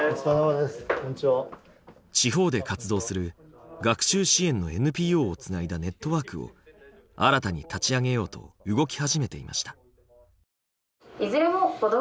地方で活動する学習支援のＮＰＯをつないだネットワークを新たに立ち上げようと動き始めていました。